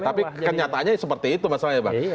tapi kenyataannya seperti itu masalahnya bang